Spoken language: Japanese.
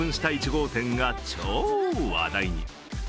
１号店が超話題に。